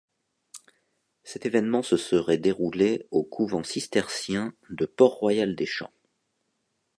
Cet événement se serait déroulé au couvent cistercien de Port-Royal-des-Champs.